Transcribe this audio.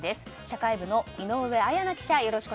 社会部の井上文那記者